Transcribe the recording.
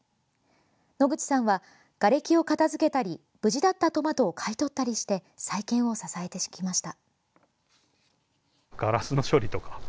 野口さんは、がれきを片付けたり無事だったトマトを買い取ったりして再建を支えてきました。